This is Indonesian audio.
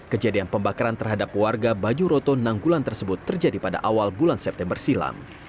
kejadian pembakaran terhadap warga bajuroto nanggulan tersebut terjadi pada awal bulan september silam